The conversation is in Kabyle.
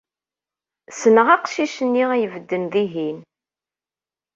Ssneɣ aqcic-nni ay ibedden dihin.